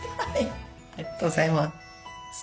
ありがとうございます。